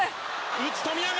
打つ、富永。